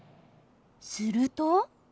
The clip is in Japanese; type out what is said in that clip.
すると。